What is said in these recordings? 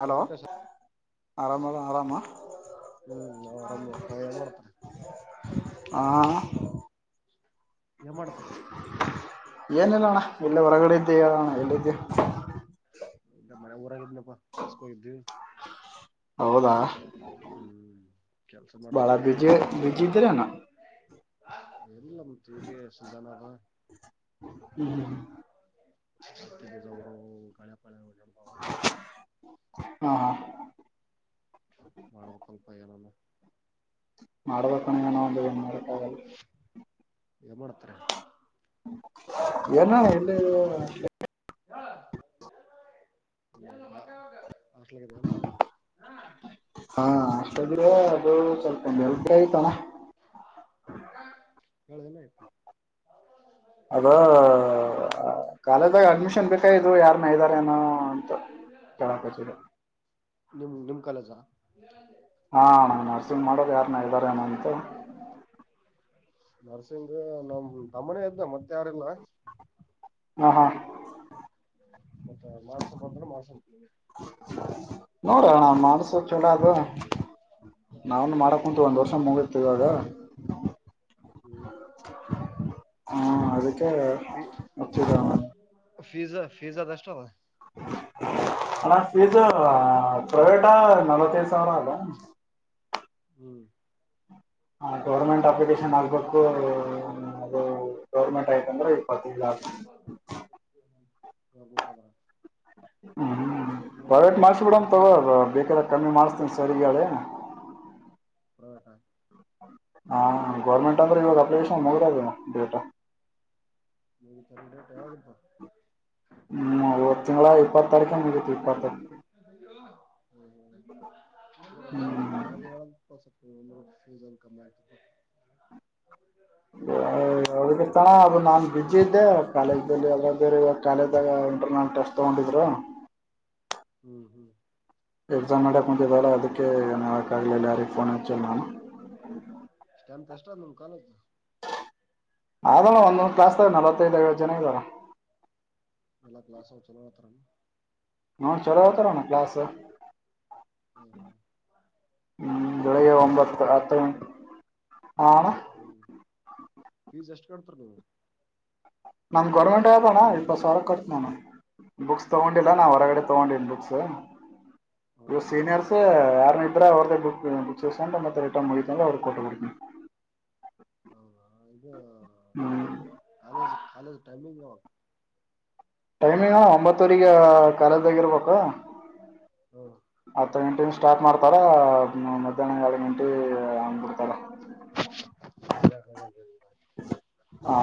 Hello Venkatesha ಆರಾಮ ಆರಾಮ ಹ್ಮ್ ನಾವ್ ಆರಾಮ್ ನೋಡ್ಪಾ ಏನ್ ಮಾಡ್ತಾರ ಹಾ ಏನಿಲ್ಲ ಅಣ್ಣ ಇಲ್ಲೇ ಹೊರಗಡೆ ಇದ್ದೆ ಹೇಳಣ ಎಲ್ಲಿ ಇದ್ದಿ ಇ [unintelligible] ಮನೆ ಊರಾಗಿದ್ನಪ್ಪಾ ಕೆಲ್ಸಕ ಹೋಗಿದ್ವಿ ಹೌದಾ ಹ್ಮ್ ಕೆಲ್ಸ ಬಾಳ ಮಾಡ್ಸಕೊತ್ೀ ಬಿಜಿ ಸ್ವಲ್ಪ ಹಂಗೆ ಬಿಜಿ ಇದ್ದೀರೇನ ಲ್ಲ ಮತ್ ಈಗೆ ಸೀಜನ್ ಅದರು [unintelligible] [unintelligible] ಹಾ ಹಾ. ಮಾಡ್ಬೇಕಲಪ್ಪ ಏನನಾ. ಮಾಡ್ಬೇಕಣನ ಒನನ್ನಂದು. ಹೌ. ಏನ್ ಮಾಡ್ತಾರೆ ಎನ ಇಲ್ಲಿ. ಹಾ. ಹಾ ಅಷ್ಟಲ್ಲೇ ಅದು ಸ್ವಲ್ಪ ಬೆಲ್ಪ ಆಯತಣ. ಹೇಳಳ ದಿನ ಆಯ್ತು. ಅದ. ಕಾಲೇಜಾಗ ಅಡ್ಮಿಷನ್ ಬೇಕಾಯ್ದು ಯಾರ ಮ. ಅಂತ ಚಕ. ನಿಮ್ ನಿಮ್ ಕಾಲಜ. ಹಾ ನಂಗ ನರ್ಸಿಂಗ್ ಮಾಡೋದು ಯಾರನ ಹೇಳ್ದಾರ ನಂತ. ನರಸಿಂಗ್ ನಮ ತಮ್ಮನೇ ಇದದ್ದ ಮತ್ತೆ. ಯಾರಂಗ. ಹಹಾ ಮತ್ತೆ ಮಾಸ ಬಂದ್ರ ಮಾಸ. ನೋಡೋಣ. ಮಾಡಸೋ ಚಲ ಅದು ನಾವನು ಹ್ಮ್ ಮಾಡಕಂತ ಒಂದ್ ವರ್ಷ ಮುಗತ ಇವಾಗ. ಹ್ಮ್. ಹ್ಮ ಅದಕ್ಕೆ ಮತ್ತಿದ. ಫಿಜಾ ಫಜ್ಜ ದಷ್ಟ. ಅಣ ಫೀಸ್ ಪ್ರೈವೇಟ್ ನಲವತ್ತೈಐದು ಸಾವಿರ ಅಲ್ಲ. ಹ್ಮ್. ಹ ಗೌರ್ಮೆಂಟ್ ಅಪ್ಲಿಕೇಶನ್ ಆಗ್ಬೇಕು ಅದು. ಗೌರ್ಮೆಂಟ್ ಆಯ್ತಂದ್ರೆ ಇಪ್ಪತ್ತೈದು್ ಲಾಕ್ಷ. ಗಗಊಟ ಮಾಡ. ಹ್ಮ್. ಹ್ಮ ಪ್ರೈವೇಟ್ ಮಾಡಸ ಬಿಡಮ ಕೌನ್ಸಿಲಿಂಗ್ ತಗೋ ಮ್ಯಾಲ್ ತೋತಾರ ಬೇಕಾದ ಕಮ್ಮಿ ಮಾಡಸ್ತನ್ ಸರಿಗಾಳೆ. ಹಳಟಾ. ಹಾ ಗೌರ್ಮೆಂಟ್ ಅಂದ್ರೆ ಇವಾಗ ಅಪ್ಲಿಕೇಶನ್ ಮುಗರದೇನು ಡೇಟಾ. ಚ ಹ್ಮ್ ಇವತ್ತು ತಿಂಗಳ ಇಪ್ಪತ್ ತಾರೀಕ ಮುಗೀತು ಇಪ್ಪತ್ತೈದು ಹಪ್ಪ. ಹ್ಮ್ ಕಮ್ಮ ಆ. ಅವತ ನಾನ. ಬಿಜಿ ಇದ್ದೆ ಕಾಲೇಜದಲ್ಲಿ ಅವರು ಬೇರೆ ಇವಾಗ ಕಾಲೇಜದಾಗ ಇಂಟರ್ನಲ್ ಟೆಸ್ಟ್ ತಗೊಂಡಿದ್ರು. ಹ್ಮ್ ಹ್ಮ್ ಎಕ್ಸಾಮ್ ನಡೆ ಕುಚದಳ ಅದಕ್ಕೆ ಏನ ಹೇಳಾಕ ಹಗಲ್ಲೆಲಾ ಯಾರಿಗೆ ಫೋನ ಹಚ್ಚಲ ನಮ್ಮದ ಎಷ್ಟ ಕಾಲ ಆದಲ್ಲ ಒಂದೊಂದು ಕ್ಲಾಸನ್ಯಾಗ ನಲವತ್ತೈದ್ ಐವತ್ತು ಜನ ಇದ್ದಾರ. ಎಲ್ಲಾ ಕ್ಲಾಸ ಒಳಗ ಚಲೋ ಹೇಳುತ್ತಾರೆನ ಹಾ ಚಲೋ ಹೇಳ್ತಾರ ಅಣ್ಣ ಕ್ಲಾಸ ಹ್ಮ್ ಹ್ಮ್ ಹ್ಮ್ ಈಗ ಬೆಳಿಗ್ಗೆ ಎಷ್ಟ ಒಂಬತ್ತು [inaudible] ಹತ್ತು ಗಂಟೆ. ಹಾ ಫೀಜ ಎಷ್ಟ ಕಟತಿರೀ ನೀವು. ನಮ್ ಗೌರ್ಮೆಂಟ್ ಆಗೇತಿ ಅಣ್ಣಾ ಇಪ್ಪತ್ತು ಸಾವಿರ ಕಟ್ಟತನ ಅಣ್ಣಾ ಬುಕ್ಸ್ ತಗೊಂಡಿಲ್ಲಾ ನೀವು ನಾ ಪ್ರ ಹೊರಗಡೆ ತೊಗೊಂಡಿನಿ ಬುಕ್ಸ್. ಹಾ ನೀವ ಹಾ ಸೀನಿಯರ್ಸ್ ಯಾರ ಇಬ್ಬರ ಅವರದ ಬುಕ್ ಬುಕ್ಸ್ ಇಸಕೊಂಡ ಮತ್ತೆ ರಿಟನ್ ಅವರಗಿ ಕೊಟ್ಟ ಬಿಡ್ತೀನಿ ಹೌದ ಇದು ಹ್ಮ್ ಕಾಲೇಜ ಕಾಲೇಜ ಟೈಮಿಂಗ್ ಯಾವಾಗ ಟೈಮಿಂಗ ಅಣ್ಣಾ ಒಂಬತ್ತುವರಿಗೆ ಕಾಲೇಜದಾಗ ಇರಬೇಕ್. ಯಾವಾಗ ಹತ್ತ ಗಂಟೆ ಸ್ಟಾರ್ಟ್ ಮಾಡ್ತಾರ ಮಧ್ಯಾಹ್ನ ಎರಡ ಗಂಟೆ- ಹಂಗ ಬಿಡ್ತಾರ. [unintelligible] ಹಾ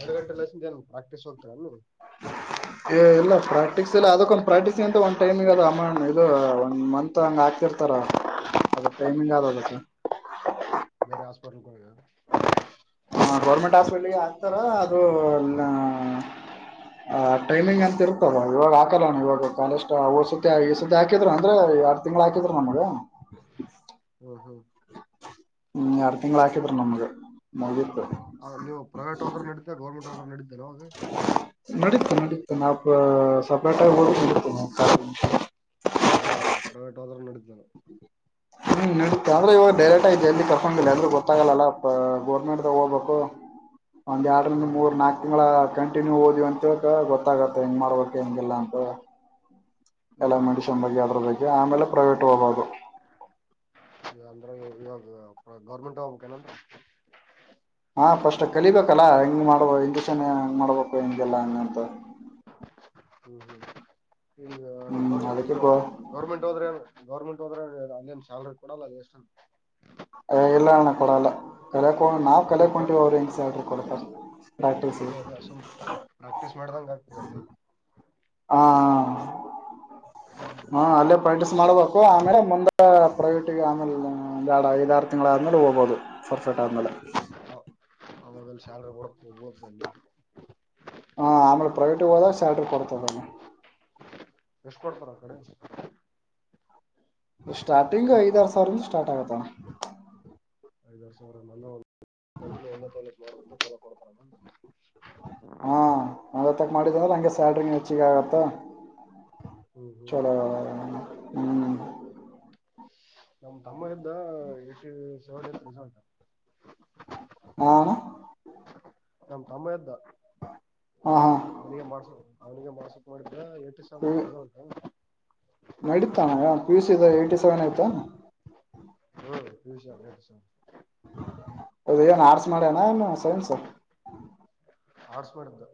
ಎರಡು ಗಂಟೆ ಲಸೇದೆನು. ಪ್ರಾಕ್ಟೀಸ್ ಹೋಗ್ತಿಯ ಅನ್ನು ಇಲ್ಲ ಪ್ರಾಕ್ಟೀಸ್ ಇಲ್ಲ ಅದಕ್ಕೊಂದ ಪ್ರಾಕ್ಟೀಸಿ ಗಂತ ಒಂದ್ ಟೈಮಿಂಗ್ ಅಮಾ ಅದ ಇದು ಒನ್ ಮಂತ್ ಹಂಗ ಹಾಕ್ತಿರ್ತಾರ ಅದಕ ಟೈಮಿಂಗ್ ಅದ ಅದಕ್ ಬೇರೆ ಹಾಸ್ಪಿಟಲ್ಗೆ ಹೋಗಿಯ ಹ ಗೌರ್ಮೆಂಟ್ ಹಾಸ್ಪಿಟಲಗೆ ಹಾಕ್ತಾರ ಅದು ನ- ಟೈಮಿಂಗ್ ಅಂತ ಇರ್ತದ ಇವಾಗ ಹಾಕಲ್ಲಣ ಇವಾಗ ಕಾಲೇಜ ಹೋದ ಸತಿ ಈ ಸತಿ ಹಾಕಿದ್ರ ಅಂದ್ರು ಎರಡ್ ತಿಂಗಳ ಹಾಕಿದ್ರ ನಮಗ. [inaudible] ಹ್ಮ ಆರ ತಿಂಗಳ ಹಾಕಿದ್ರ ನಮ್ಮಗ ಅ ನೀವು ಪ್ರೈವೇಟ್ ಹೋದ್ರು ನಡಿಯುತ್ತ ಗೌರ್ಮೆಂಟ್ ಹೋದ್ರ ನಡಿಯುತ್ತಾನ ಆವಾಗ ನಡೀತು ನಡೀತು ನಾವು ಪ ಸಪರೆಟ [unintelligible] ಆಗಿ ಹೋದರ ನಡೀತದ ಅದೇ ಅ ಪ್ರೈವೇಟ್ ಹೋದ್ರು ನಡಿತದ. ಹ್ಮ ನಡಿಯುತ್ತ ಆದ್ರೆ ಇವಾಗ ಡೈರೆಕ್ಟ್ ಆಗಿ ಜಲ್ದಿ ಕರ್ಕೊಳಂಗಿಲ್ಲ ಎಲ್ಲಿ ಗೊತ್ತಾಗಂಗಿಲ್ಲ ಗೌರ್ಮೆಂಟದಾಗ ಹೋಗ್ಬೇಕೊ ಒಂದು ಎರಡರಿಂದ ಹ್ಮ್ ಮೂರು ಹ್ಮ್ ನಾಲ್ಕು ತಿಂಗಳ ಹಾಕಡ ಕಂಟಿನಿವ ಹೋದವಿ ಅಂತ ತಿಳ್ಕೊ ಗೊತ್ತಾಗತ್ತೆ ಹೆಂಗ ಮಾಡ್ಬೇಕ ಹೆಂಗಿಲ್ಲ ಅಂತ ಹೇಳಿ ಎಲ್ಲ ಹ್ಮ್ ಮುಗಿಸಿಕೊಂಡ ಬಗೆಹರದಿರತಯ್ತಿ ಆಮೇಲೆ ಪ್ರೈವೇಟ್ ಹೋಗಬಹುದು ಅಂದ್ರೆ ಇವಾಗ ಗೌರ್ಮೆಂಟ. ಹಾ ಪಸ್ಟ್ ಕಲಿಬೇಕಲ್ಲಾ ಹೆಂಗ್ ಮಾಡದು ಇಂಜೆಕ್ಷನ್ ಹಂಗ್ ಮಾಡ್ಬೇಕು ಹಿಂಗೆಲ್ಲಾ ಹಂಗ ಅಂತ. ಹ್ಮ್ ಹ್ಮ್. ಈಗ ಗೌರ್ ಅದಕ್ಕೆ ಗೋ ಗೌರ್ಮೆಂಟ್ ಹೋದ್ರೆ ಗೌರ್ಮೆಂಟ್. ಅಲ್ಲಿನ್ ಸಾಲರಿ ಕಡ ಅಲ್ಲಷ್ಟಸ್ [unintelligible] ಇಲ್ಲ ಅಣ್ಣ ಕೊಡಲ್ಲ ನಾವವು ಸುಮ್ ಪ್ರ ಕಲೆಕೊಂಡಿವವ ಅವ್ರು ಹೆಂಗ ಸಲ್ ಕೊಡ್ತಾರೆ ಅದೇ ಅದೇ ಸು ಪ್ರಾಕ್ಟೀಸ್ ಮಾಡ್ದಂಗ ಆಗ್ತಲ್ಲಿ ಹಾ ಹ ಅಲ್ಲೇ ಪ್ರಾಕ್ಟೀಸ್ ಮಾಡ್ಬೇಕು ಆಮೇಲೆ ಮುಂದೆ ಪ್ರೈವೇಟಿಗೆ ಆಮೇಲೆ ಐದಾರು ತಿಂಗಳ ಆದ್ಮೇಲೆ ಹೋಗ್ಬಹದು ಸರ್ಫೆಟ್ ಆದ್ಮೇಲೆ ಆ ಮದಲ್ಲಿ ಸ್ಯಲ್ರಿ ಕೊಡಕ್ ಹಬತ ಅಲ್ಲಿ ಹಾ ಆಮೇಲೆ ಪ್ರೈವೇಟ ಹೋದಾಗ ಸ್ಯಾಲ್ರಿ ಕೊಡ್ತದ ಎಷ್ಟ ಕೊಡ್ತರ ಆ ಕಡೆ ಸ್ಟಾರ್ಟಿಂಗು ಐದಾರ ಸಾವಿರಿಂದ ಸ್ಟಾರ್ಟ್ ಆಗತ್ತಣ. ಐದ್ ವರ್ ಸಾವಿರ ಮ ಮಾಡ್ಬೇಕು ಕೊಡ್ತಾರ ಮ. ಹಾ ಒತ್ತಕ್ ಮಾಡಿದವ ನಂಗೆ ಸ್ಯಾಲ್ರಿ ಹೆಚ್ಚಿಗೆ ಆಗತ್ತ ಹ್ಮ್ ಹ್ಮ್ ಚಲೋ ಹ್ಮ. ನಮ್ ತಮ್ಮ ಎದ್ದ ಎ. [unintelligible] ಸೋದ ಸೋದ. ಹ. ನ್ ತಮ್ಮದ್ದ ಹಾ ಹಾ ಅವನ್ ಅವ್ನಿಗೆ ಮಾಡ್ಸು. ಅವನಿಗೆ ಮಸ ಮಾಡಿ ಪ ನಡೀತಾನ ಪಿ ಯುಸ ಏ್ಟಿ ಸೆವೆನ್ ಆಯ್ತಾ ಹೌ ವುಶ ಸ. ಹೌದ ಏನ್ ಆರ್ಸ ಮಾಡ್ಯನ ಏನು. ಸನ್ ಸರ್. ಆಡ್ಸ್ಬೇಡ್ದ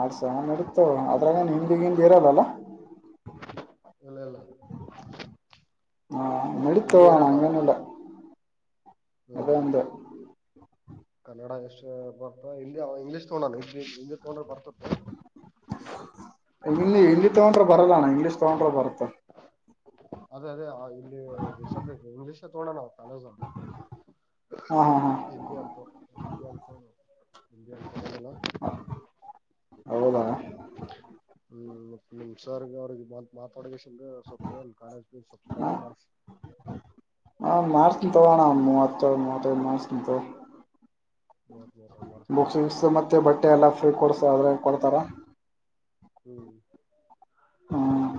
ಆಡ್ಸ ನಡತು ಅದ್ರಾಗ ಹಿಂದಿಗಿಂದ ಇರದಲ್ಲ. ಇಲ್ಲ ಇಲ್ಲ. ಹಾ ಮಳಿಕಣ ಹಿಂದಿ ಇರಲ್ಲ ಅಂಗನಲ್ಲ. ಅದ ಒಂತ. ಹ್ಮ್ ಕನ್ನಡ ಎಷ್ಟು ಬರ್ತ ಹಿಂದಿ ಇಂಗ್ಲೀಷ್ ತೋಡಣ. ತೋೊಂಡ ಬರ್ತ. ಇಿಂದಲ್ಲಿ ಹಿಂದಿ ತಗೊಂಡ್ರ ಬರಲ್ಲಣ್ಣ ಇಂಗ್ಲೀಷ್ ತಗೊಂಡ್ರ ಬರತ್ತ. ಅದೇ ಅದೇ ಇಲ್ಲಿ ಸದ್ಯ ಒ್ ವಿಷಯ ತಗಡೋಣ. ಅಲಸ ಹಾ ಹಾ ಹಾ ಹಿಂದಿ ಅಂತ ಹಿ ಅಂತ ಹ ಹೌದಾ ಹ್ಮ. ನಿಮ್ ಸರ್ ಗೆ ಅವ್ರಿಗೆ ಮಾತಾಡಷ್ಟ ಸೊಪ್ಪ ಏನ್ ಕಾಲೇಜ ಫೀಸ್ ಸ್ವಲ್ಪ್ ಕಡಿಮಿ ಮಾಡ್ಸ ಹಾ ಮಾಡಸ್ತೇನಿ ತಗೋ ಅಣ್ಣ ಒಂದ್ ಮೂವತ್ತು ಮೂವತ್ತಾದು ಮಾಡಸ್ತೇನಿ ತಗೋ ಮೂವತ್ತ್ ಮೂರ ಮಾಡಿಸ್ಕೊಂಡ ಬುಕ್ಸಸ್ ಗಿಕ್ಸ್ ಮತ್ತೆ ಬಟ್ಟೆ ಎಲ್ಲ ಫ್ರೀ ಕೊಡ್ಸ ಆದ್ರೆ ಕೊಡ್ತಾರ ಹ್ಮ್ ಹ್ಮ್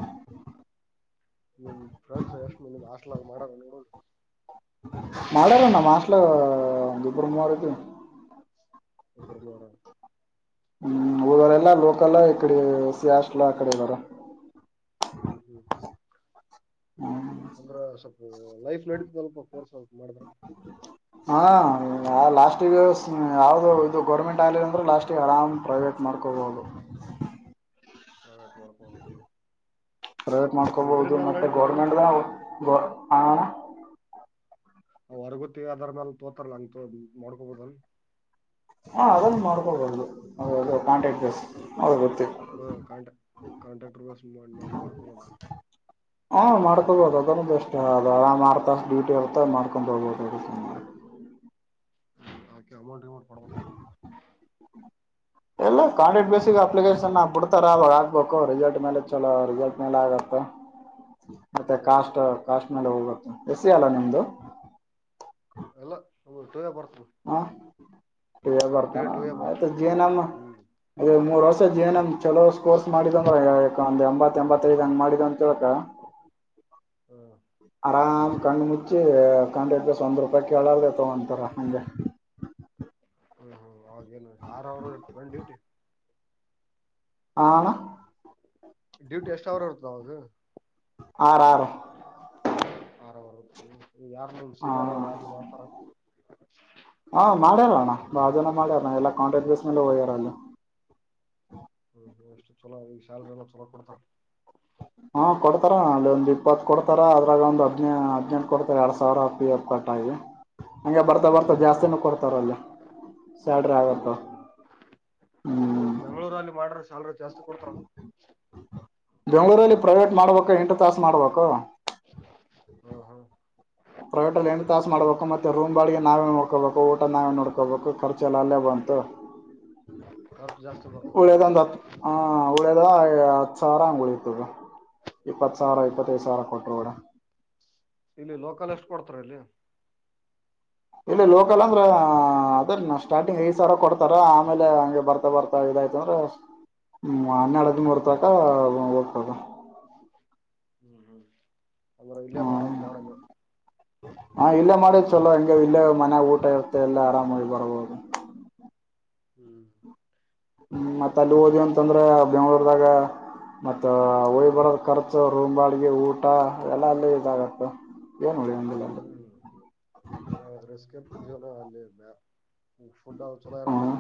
ನಿಮ್ ಫ್ರೆಂಡ್ಸ್ ಎಷ್ಟ್ಮ ನಿಮ್ಷ್ಟ ಮಾಡ ನೋ ಮಾಡಾರ ನಮ್ ಹಾಸ್ಟೆಲ್ ನವ್ರು ಇಬರು ಮೂವರಐದು ಇಬ್ರು ಮೂವರು ಹ್ಮ್ ಊರವರೆ ಎಲ್ಲ ಲೋಕಲ್ಲ ಇಡೆ ಎಸ್ ಸಿ ಹಾಸ್ಟೆಲ್ ಅಕಡೆ ಎಲ್ಲಾರ ಹ್ಮ್ ಹ್ಮ್ ಅಂದ್ರ ಸ್ವಲ್ಪು ಲೈಫ್ ನಡ ಸ್ವಲ್ಪೋರ್ಸ್ ಆ ಹಾ ಲಾಸ್ಟ್ ಈಗ ಯಾವ್ದದು ಇದು ಗೌರ್ಮೆಂಟ್ ಆಗ್ಲಿಿಲ್ಲ ಅಂದ್ರೆ ಲಾಸ್ಟ್ ಆರಾಮ್ ಪ್ರೈವೇಟ್ ಮಾಡ್ಕೋಬಹುದು ಹಳಟು ಮಾಡಡಕ ಪ್ರೈವೇಟ್ ಮಾಡ್ಕೋಬಹುದು ಮತ್ತೆ ಗೌರ್ಮೆಂಟ್ ಹಾ ಅವ ಹೊರಗೊತಿ ಅದರ್ಮೇಾಲ ತೋತಾರಲ್ಲ ಅಂಗ ಮಾಡೋ್ಕೊಬೋದಲ್ ಹಾ ಅದ್ರಲ್ಲಿ ಮಾಡ್ಕೊಬಹುದು ಅ ಕಾಂಟ್ರ್ಯಾಕ್ಟ್ ಬೇಸ್ ಗೊತ್ತ ಹಾಂ ಕಾಂಟೆ ಕಾಂಟ್ರಾಕ್ಟರ್ ಬೇಸ್ ಮಾಡ್ಕೊಬದ ಹಾ ಮಾಡ್ಕೊಬೋದು ಅದನ್ನು ಬೆಸ್ಟ್ ಅರಾಮ್ ಹತ್ತು ತಾಸ್ ಡ್ಯೂಟಿ ಇರ್ತ ಮಾಡ್ಕೊಂಡ್ ಹೋಗಬೋದು ಹಕೆ ಅಮೌಂಟ್ ವಿಮೌಂಟ್ ಕೊಡ್ಬೇಕಾ ಎಲ್ಲ ಕಾಂಟ್ರಾಕ್ಟ್ ಬೇಸಿಿಗೆ ಅಪ್ಲಿಕೇಶನ್ ಬಿಡ್ತಾರ ಅವಾಗ ಆಗ್ಬೇಕು ರಿಸಲ್ಟ್ ಮೇಲೆ ಚಲೋ ರಿಸಲ್ಟ್ ಮೇಲೆ ಆಗತ್ತೆ ಮತ್ತೆ ಹ್ಮ್ ಕಾಸ್ಟ್ ಕಾಸ್ ಮೇಲೆ ಹೋಗ ಎಸ್ ಸಿ ಅಲ್ಲ ನಿಮ್ದು ಅಲ್ಲ ಹೌ ಇಲ್ಲ ಪಾ ಇ ಬರ್ತಾನ ಆಯ್ತಾ ಜೀನಮ್ಮ ಹ್ಮ್ ಇ ಮೂರ್ ವರ್ಷ ಸಜಧ್ಯಯನ ಚಲೋ ಸ್ಕೋರ್ಸ್ ಮಾಡಿದ್ ಅಂದ ಒಂದ್ ಎಂಬತ್ತ ಎಂಬತ್ತಐದು್ ಹಂಗ ಮಾಡಿದ್ ಅಂತ ಕೇಳಕ್ ಹ್ಮ್ ಆರಾಮ್ ಕಣಂಡು ಮುಚ್ಚಿ ಕಾಂಟ್ರಾಕ್ಟ್ ಬೇಸ್ ಒಂದು ರೂಪಾಯಿ ಕೇಳಾರ್ದ ತೊಗೊಂತಾರೆ ಹಾಗಂಗೆ ಹ ಹ ಅವಾಗೇನು ಆರ ಅವರು ಇ ನ ಡ್ಯೂಟಿ ಹಾ ಅಣ್ಣ ಡ್ಯೂಟಿ ಎಷ್ಟು ಅವರ್ ಇರ್ತದ ಅವಾಗ [unintelligible] ಹೌದು ಯಾರ್ ನಿಮ್ ಹ ಸೀನಿಯರ್ ಅವರು ಯಾರ್ ನಿ ಮಾಡ್ತಾರ ಬಾಳ್ ಜನ ಮಾಡ್ಯಾರ ಎಲ್ಲಾ ಕಾಂಟ್ರಾಕ್ಟ್ ಬೇಸ್ ಮೇಲೆ ಹೋಗ್ಯಾರಲ್ಲ ಹ್ಮ್ ಎಷ್ಟು ಚಲೋ ಈ ಸ್ಯಾಲರಿ ಎಲ್ಲ ಚಲೋ ಕೊಡ್ತಾರೆ. ಹಾ ಕೊಡ್ತಾರ ಅಲ್ಲಿ ಒಂದು ಇಪ್ಪತ್ತು ಕೊಡ್ತಾರ ಅದ್ರಾಗ ಒಂದ್ ಅದ್ರಗೊಂಡಿ ಹದ್ನೆೆಂಟು ಕೊಡ್ತಾರ ಎರಡ್ ಸಾವಿರ ಪಿ ಫ್ ಕಟ್ ಆಗಿ ಹಗೆ ಬರ್ತ ಬರ್ತಾ ಹ್ಮ್ ಹ್ಮ್ ಜಾಸ್ತಿನೂ ಕೊಡ್ತಾವ್ರರೇ ಅಲ್ಲಿ ಸ್ಯಾಲರಿ ಆಗತ್ತಾವ ಹೌದು ಬೆ- ಹ್ಮ್ ಬೆಂಗಳೂರಲ್ಲಿ ಮಾಡ್ರೆ ಸ್ಯಾಲ್ರಿ ಜಾಸ್ತಿ ಕೊಡ್ತವ್ರ ಬೆಂಗಳೂರಲ್ಲಿ ಪ್ರೈವೇಟ್ ಮಾಡ್ಬೇಕ ಎಂಟು ತಾಸು ಮಾಡ್ಬೇಕು ಹ್ಮ್ ಹ್ಮ್ ಪ್ರೈವೇಟಲ್ಲಿ ಎಂಟು ತಾಸು ಇಲ್ಲ ಮಾಡ್ಬೇಕು ಮತ್ತೆ ರೂಮ್ ಬಾಡಿಗೆ ನಾವೇ ನೋಡ್ಕೋಬೇಕು ಊಟ ನಾವೇ ನೋಡ್ಕೋಬೇಕು ಖಾರ್ಚಲ್ಲ ಅಲ್ಲೇ ಬಂತು. ಖರ್ಚು ಜಾಸ್ತಿ ಬರ್ತದೆ ಅದ್ರ ಉಳಿಯದಂತ ಹತ್ತು ಹಾ ಉಳಿಯೋದು ಹತ್ತು ಒಂದ್ ಸಾವಿರ ಹಾಗ್ ಉಳಿತದೆ ಇಪ್ಪತ್ತು ಸಾವಿರ ಹ್ಮ್ ಇಪ್ಪತ್ತೈದು ಹ್ಮ್ ಸಾವಿರ ಕೊಟ್ಟು ಬ್ಯಾಡ. ಇಲ್ಲಿ ಲೋಕಲ್ ಎಷ್ಟು ಕೊಡ್ತಾರ ಇಲ್ಲಿ. ಇಲ್ಲಿ ಲೋಕಲ್ ಅಂದ್ರ ಅದೇ ಸ್ಟಾರ್ಟಿಂಗ್ ಐದ್ ಸಾವಿರ ಕೊಡ್ತಾರ ಆಮೇಲೆ ಹಂಗೆ ಬರ್ತಾ ಬರ್ತಾ ಇದಯ್ತ ಅಂದ್ರ ಹನ್ನೆರಡು ಹದಿಮೂರು ತನಕ ಹೋಗ್ತದ. ಹ್ಮ್ ಹ್ಮ್ ಅಂದ್ರೆ ಇಲ್ಲೇ ಹ್ಮ್ ಮಾಡೋರ್ ಪಾಡ ಹೆಂಗೋ ಹಾ ಇಲ್ಲೇ ಮಾಡಿದ್ ಚಲೋ ಹಂಗ ಇಲ್ಲೇ ಮನೆ ಊಟ ಇರುತ್ತೆ ಎಲ್ಲ ಆರಾಮಾಗಿ ಹೋಗಿ ಬರ್ಬೋದು. ಹ್ಮ್ ಹ್ಮ್ ಮತ್ ಅಲ್ಲಿ ಹೋದ್ವಿ ಅಂತಂದ್ರೆ ಅಂದ್ರೆ ಬೆಂಗಳೂರುದಾಗ ಮತ್ತ ಹೋಗಿ ಹ್ಮ್ ಬರೋ ಖರ್ಚು ರೂಮ್ ಬಾಡಿಗೆ ಊಟ ಎಲ್ಲ ಅಲ್ಲೇ ಇದಾಗತ್ತೆ. ಏನ್ ಉಳಿಯಂಗಿಲ್ಲ ಅಲ್ಲಿ ಹ್ಮ್ ಹಾ ರಿಸ್ಕ್ ಐತಿ ಜೀವನ ಅಲ್ಲಿ ಫುಡ್ ಅದು ಚಲೋ ಇರಲ್ಲ ಹ್ಮ್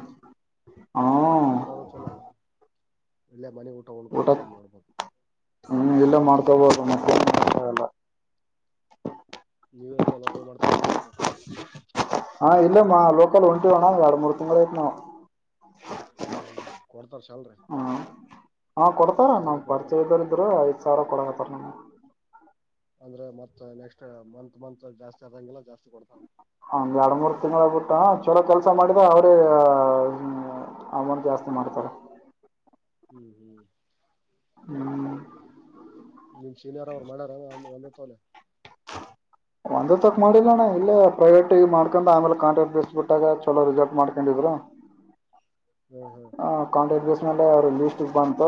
[inaudible] ಹ್ಮ್ ಫುಡ್ ಅದು ಚಲ ಇಲ್ಲ ಮನೆ ಊಟ ಉಣಕೋತ ಆರಾಮ್ ಮಾಡ್ಬೋದು ಇನ್ನು ಇಲ್ಲ ಮಾಡ್ಕೊಬೋದು [unintelligible] ನೀವೇ ಇಲ್ಲಿ ಲೋಕಲ್ ಮಾಡ್ತರಿ [unintelligible] ಹಾ ಇಲ್ಲೇ ಲೋಕಲ್ ಹೊಂಟೀವಿ ಅಣ್ಣ ಎರಡು ಮೂರು ತಿಂಗಳ ನೋಡ್ ಹ್ಮ್ ಹ್ಮ್ ಕೊಡ್ತಾರ ಸ್ಯಾಲರಿ ಹ್ಮ್ ಹಾ ಕೊಡ್ತಾರ ನಮಗ ಪರಿಚಯದರ ಇದ್ರ ಐದ ಸಾವಿರ ಕೊಡು [unintelligible] ಅಂದ್ರೆ ಮತ್ ನೆಕ್ಸ್ಟ್ ಮಂತ್ ಮಂತ್ ಜಾಸ್ತಿ ಆದದಂಗಿಲ್ಲ ಜಾಸ್ತಿ ಕೊಡ್ತಾನ ಹಗೆ ಎರಡು ಮೂರು ತಿಂಗಳ [unintelligible] ಹ ಚಲೋ ಕೆಲಸ ಮಾಡಿದ್ರೆ ಅವರೇ ಅಮೌಂಟ್ ಜಾಸ್ತಿ ಮಾಡ್ತಾರೆ. ಹ್ಮ್ ಹ್ಮ್ [inaudible] ಹ್ಮ್ [inaudible] ನಿಮ್ ಸೀನಿಯರ್ ಅವ್ರು ಮಾಡ್ಯಾರ ಆಮೇಲೆ ಒಂದ ಚಲ ಒಂದ ತಕ್ ಮಾಡಿಲ್ಲಣ್ಣ ಇಲ್ಲೇ ಪ್ರೈವೇಟ್ ಮಾಡ್ಕೊಂಡ ಆಮೇಲೆ ಕಾಂಟ್ರಾಕ್ಟ್ ಬೇಸ್ ಬಿಟ್ಟಾಗ ಚಲೋ ರಿಸಲ್ಟ್ ಮಾಡ್ಕೊಂಡಿದ್್ರ ಹ್ಮ್ ಹ ಕಾಂಟ್ರಾಕ್ಟ್ ಅವ್ರು ಲೀಟ್ ಬಂತು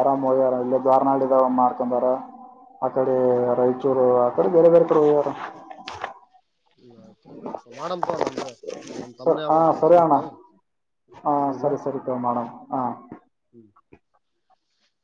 ಆರಾಮ್ ಹೋಗ್ಯಾರ ಇಲ್ಲ ದವಾರ್ನಾಡ ಇದ್ ಮಾಡ್ಕೊಂಡಾರ ಅಕಡೆ ಹ್ಮ್ ಹ್ಮ್ ಹ್ಮ್ ರಾಯಚೂರು ಅಕಡೆ ಬೇರೆ ಬೇರೆ ಕಡೆ ಹೋಗ್ಯಾರ ಹ್ಮ ಆಯ್ತ ಆಯ್ತ ಆಯ್ತ ಮಾಡಮತ್ ನಮ್ದು ನಮ್ ಸರ್ ತಮ್ಮನೇ ಹಾಂ ಆಬಕ್ ಸರಿ ಅಣ್ಣ ಸ್ವಂತ ಹಾಂ ಇಲ್ಲ ಸರಿ ಸರಿ ಮಾಡೋಣ ಹಾಂ ಹ್ಮ ಇಡ್ಲಾ